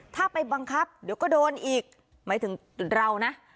ถ้าไปบังคับเดี๋ยวก็โดนอีกหมายถึงเรานะ